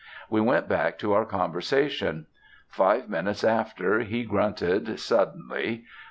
We went back to our conversation. Five minutes after he grunted, suddenly.